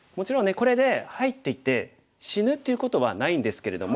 これで入っていて死ぬっていうことはないんですけれども。